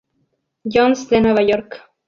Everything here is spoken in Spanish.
John's de Nueva York.